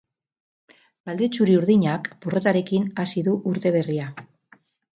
Talde txuri-urdinak porrotarekin hasi du urte berria.